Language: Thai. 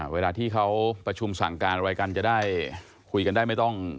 เวลาที่เขาประชุมสั่งการอะไรกันจะได้คุยกันได้ไม่ต้อง